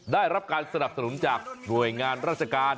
ได้รับการสนับสนุนจากหน่วยงานราชการ